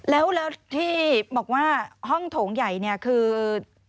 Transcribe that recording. แล้วที่บอกว่าห้องโถงใหญ่เนี่ยคือ